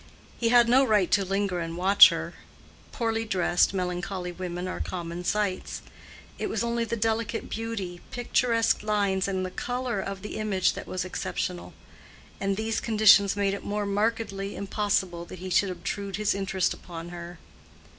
He had no right to linger and watch her: poorly dressed, melancholy women are common sights; it was only the delicate beauty, picturesque lines and color of the image that was exceptional, and these conditions made it more markedly impossible that he should obtrude his interest upon her.